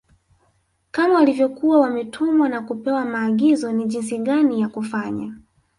Kama walivyokuwa wametumwa na kupewa maagizo ni jinsi gani ya Kufanya